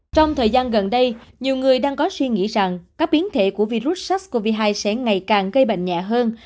trong thời gian gần đây nhiều người đang có suy nghĩ rằng các biến thể của virus sars cov hai sẽ ngày càng gây bệnh nhẹ hơn